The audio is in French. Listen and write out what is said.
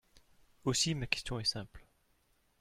Aussi, ma question est simple.